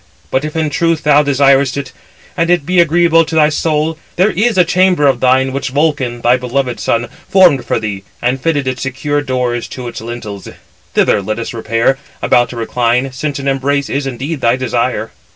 But if in truth thou desirest it, and it be agreeable to thy soul, there is a chamber of thine which Vulcan, thy beloved son, formed for thee, and fitted its secure doors to its lintels. Thither let us repair, about to recline, since an embrace is indeed thy desire."